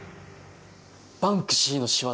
バンクシーの仕業？